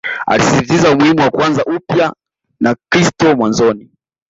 Alisisitiza umuhimu wa kuanza upya na kristo mwanzoni